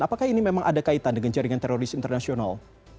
apakah ini memang ada kaitan dengan jaringan teroris internasional